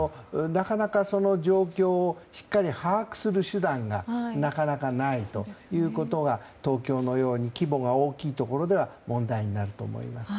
その状況をしっかり把握する手段がなかなかないということが東京のように規模が大きいところでは問題になると思います。